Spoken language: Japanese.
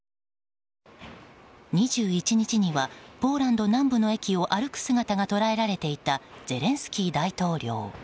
２１日にはポーランド南部の駅を歩く姿が捉えられていたゼレンスキー大統領。